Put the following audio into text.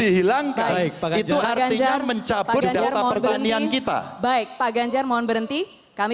hilangkan itu artinya mencapai pertanian kita baik pak ganjar mohon berhenti kami